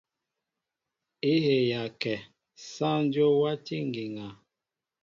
É heya kɛ , sááŋ Dyó wátí ŋgiŋa.